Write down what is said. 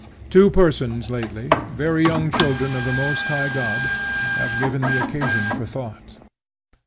Two persons lately, very young children of the most high God, have given me occasion for thought.